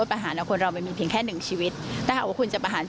ใช่ค่ะเขาบอกขอให้กันในชั้นศาล